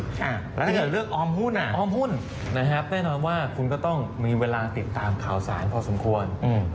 แล้วถ้าเกิดเลือกออมหุ้นออมหุ้นนะครับแน่นอนว่าคุณก็ต้องมีเวลาติดตามข่าวสารพอสมควร